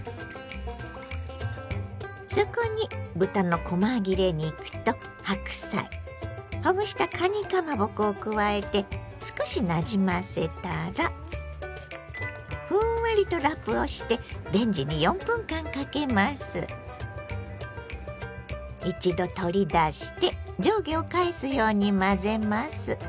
そこに豚のこま切れ肉と白菜ほぐしたかにかまぼこを加えて少しなじませたらふんわりとラップをして一度取り出して上下を返すように混ぜます。